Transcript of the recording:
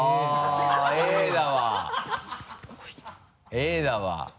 「Ａ」だわ。